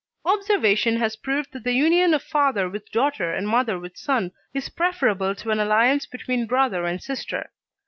Observation has proved that the union of father with daughter and mother with son is preferable to an alliance between brother and sister.